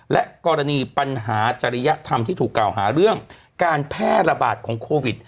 และกรณีปัญหาจริยธรรมที่ถูกกล่าวหาเรื่องการแพร่ระบาดของโควิด